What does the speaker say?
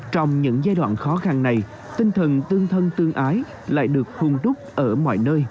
trong những giai đoạn khó khăn này tinh thần tương thân tương ái lại được hôn đúc ở mọi nơi